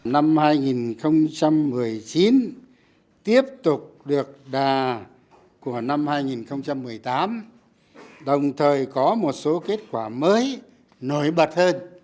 năm hai nghìn một mươi chín tiếp tục được đà của năm hai nghìn một mươi tám đồng thời có một số kết quả mới nổi bật hơn